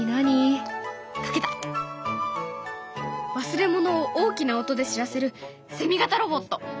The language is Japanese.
忘れ物を大きな音で知らせるセミ型ロボット。